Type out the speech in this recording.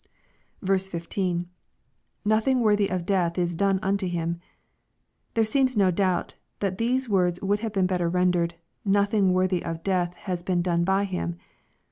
15. — [Nothing worthy of death is done unto him,] There seems no doubt that these words would have been better rendered, " nothing worthy of death has been done by him."